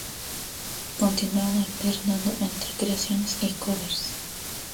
Continuaron alternando entre creaciones y covers.